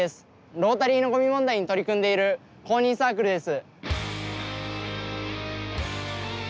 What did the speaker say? ロータリーのごみ問題に取り組んでいる公認サークルです。